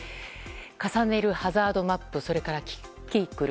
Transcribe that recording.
重ねるハザードマップそれからキキクル。